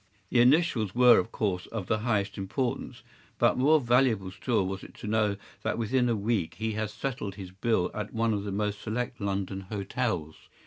The initials were of course of the highest importance, but more valuable still was it to know that within a week he had settled his bill at one of the most select London hotels.